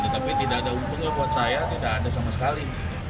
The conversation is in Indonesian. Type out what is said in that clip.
tapi tidak ada untungnya buat saya tidak ada sama sekali